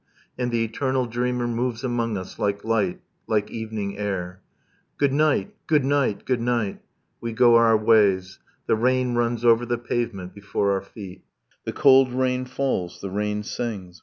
. and the eternal dreamer Moves among us like light, like evening air ... Good night! Good night! Good night! We go our ways, The rain runs over the pavement before our feet, The cold rain falls, the rain sings.